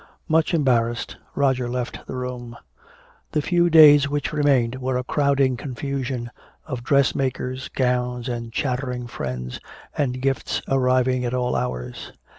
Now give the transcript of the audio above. Much embarrassed Roger left the room. The few days which remained were a crowding confusion of dressmakers, gowns and chattering friends and gifts arriving at all hours.